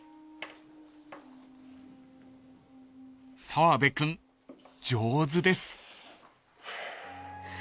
［澤部君上手です］